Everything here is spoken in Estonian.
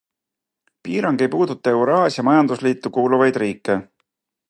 Piirang ei puuduta Euraasia majandusliitu kuuluvaid riike.